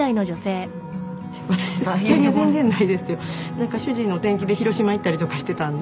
何か主人の転勤で広島行ったりとかしてたんで。